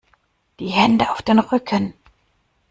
Die Hände auf den Rücken!